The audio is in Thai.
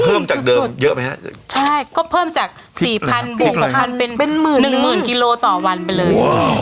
เพิ่มจากเดิมเยอะไหมครับใช่ก็เพิ่มจาก๔๐๐๐ปุ๊บ๖๐๐๐เป็น๑๐๐๐๐กิโลกรัมต่อวันไปเลย